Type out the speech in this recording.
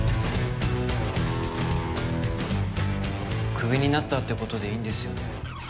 クビになったってことでいいんですよね？